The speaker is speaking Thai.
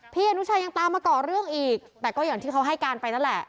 อนุชายังตามมาก่อเรื่องอีกแต่ก็อย่างที่เขาให้การไปนั่นแหละ